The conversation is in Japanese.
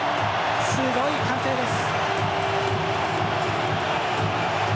すごい歓声です。